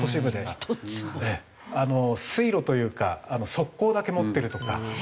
水路というか側溝だけ持ってるとか。